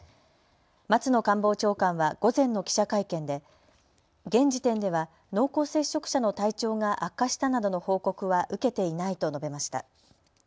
松野官房長官は午前の記者会見で現時点では濃厚接触者の体調が悪化したなどの報告は受けていないと述べました。